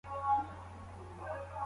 ایا واړه پلورونکي تور ممیز صادروي؟